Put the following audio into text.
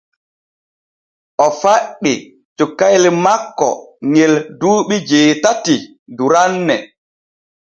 O faɗɗi cukayel makko ŋe duuɓi jeetati duranne.